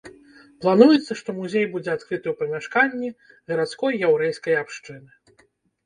Плануецца, што музей будзе адкрыты ў памяшканні гарадской яўрэйскай абшчыны.